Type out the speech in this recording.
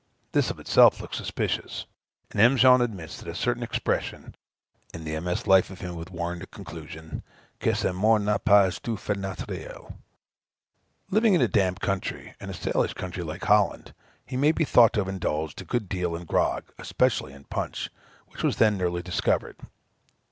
This of itself looks suspicious; and M. Jean admits, that a certain expression in the MS. life of him would warrant the conclusion, "que sa mort n'a pas été tout à fait naturelle." Living in a damp country, and a sailor's country, like Holland, he may be thought to have indulged a good deal in grog, especially in punch, which was then newly discovered.